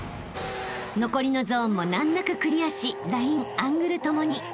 ［残りのゾーンも難なくクリアしラインアングル共に２６ポイント］